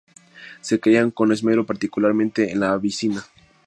Se crían con esmero particularmente en la Abisinia.